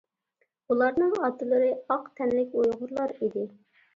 ئۇلارنىڭ ئاتىلىرى ئاق تەنلىك ئۇيغۇرلار ئىدى.